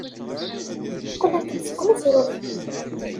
Qqlent-d seg uneẓruf.